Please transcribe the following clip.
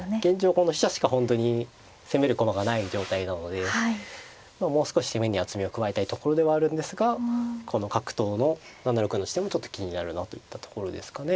この飛車しか本当に攻める駒がない状態なのでもう少し攻めに厚みを加えたいところではあるんですがこの角頭の７六の地点もちょっと気になるなといったところですかね。